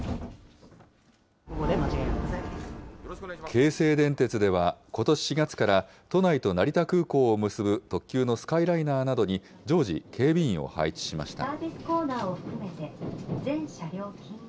京成電鉄では、ことし４月から、都内と成田空港を結ぶ特急のスカイライナーなどに、常時、警備員を配置しました。